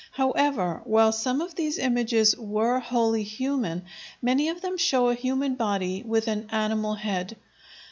However, while some of these images were wholly human, many of them show a human body with an animal head.